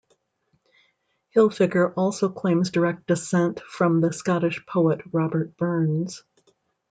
Hilfiger also claims direct descent from the Scottish poet Robert Burns.